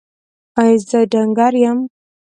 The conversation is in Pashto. ایا زه ډنګر یم؟